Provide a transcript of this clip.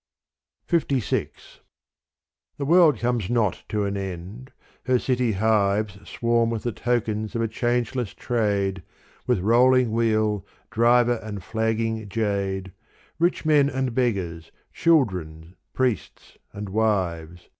LVI The world comes not to an end : her city hives Swarm with the tokens of a changeless trade, With rolling wheel, driver and flagging jade, Rich men and beggars, children, priests and wives.